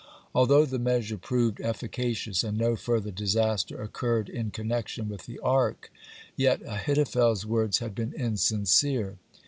Although the measure proved efficacious, and no further disaster occurred in connection with the Ark, yet Ahithophel's words had been insincere.